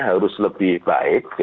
harus lebih baik